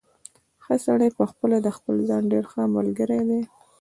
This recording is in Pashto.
ښه سړی پخپله د خپل ځان ډېر ښه ملګری دی.